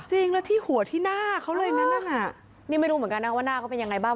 จริงแล้วที่หัวที่หน้าเขาเลยนั่นน่ะนี่ไม่รู้เหมือนกันนะว่าหน้าเขาเป็นยังไงบ้าง